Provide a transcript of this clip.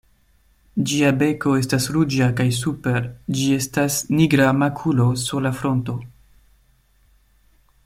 Ĝia beko estas ruĝa kaj super ĝi estas nigra makulo sur la frunto.